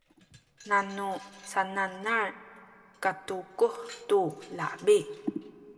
nanu sananal katukuh tu labi